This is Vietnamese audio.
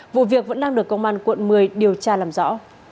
vụ việc vẫn đang được công an quận một mươi điều tra làm rõ